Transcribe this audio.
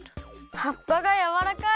はっぱがやわらかい！